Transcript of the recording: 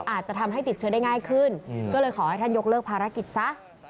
อาจจะทำให้ติดเชื้อได้ง่ายขึ้นก็เลยขอให้ท่านยกเลิกภารกิจซะ